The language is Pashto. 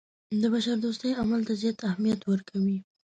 د بشردوستۍ عمل ته زیات اهمیت ورکوي.